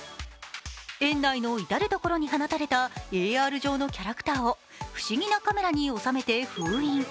園内の至る所に放たれたＡＲ上のキャラクターを不思議なカメラに収めて封印。